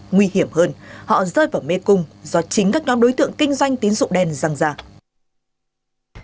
nguy hiểm hơn họ rơi vào mê cung do chính các nhóm đối tượng kinh doanh tín dụng đen răng rạc